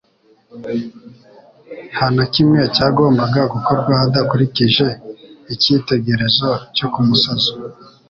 Nta na kimwe cyagombaga gukorwa hadakurikijwe icyitegerezo cyo ku musozi.